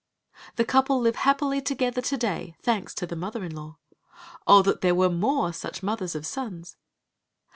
The couple live happily together to day, thanks to the mother in law. Oh, that there were more such mothers of sons!